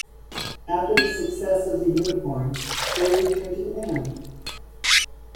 After the success of "The Unicorn," Joe returned to the band.